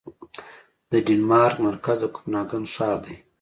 د ډنمارک مرکز د کوپنهاګن ښار دی